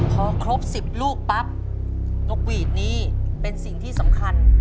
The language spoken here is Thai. พอครบ๑๐ลูกปั๊บนกหวีดนี้เป็นสิ่งที่สำคัญ